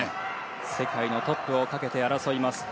世界のトップをかけて争います。